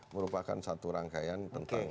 merupakan satu rangkaian tentang